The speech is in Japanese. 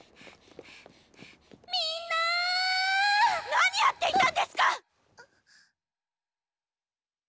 何やっていたんですか！